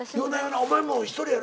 お前も１人やろ？